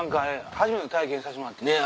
初めての体験させてもらって。